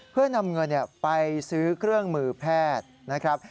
เพื่อนำเงินไปซื้อเครื่องมือแพทย์นะครับ